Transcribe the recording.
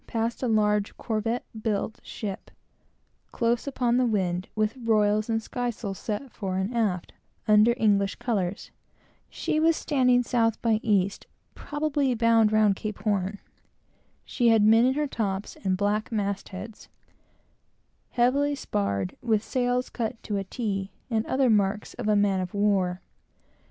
passed a large corvette built ship, close upon the wind, with royals and skysails set fore and aft, under English colors. She was standing south by east, probably bound round Cape Horn. She had men in her tops, and black mast heads; heavily sparred, with sails cut to a t, and other marks of a man of war.